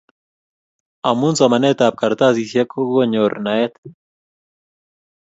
amun somanet ab kartasishek ko konyor naet